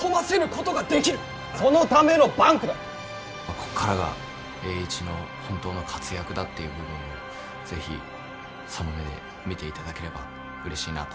ここからが栄一の本当の活躍だという部分を是非その目で見ていただければうれしいなと思います。